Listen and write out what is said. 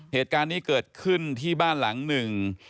เหตุการณ์นี้เกิดขึ้นที่บ้านหลังหนึ่ง